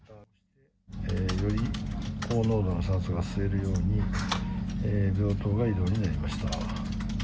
より高濃度の酸素が吸えるように、病棟が移動になりました。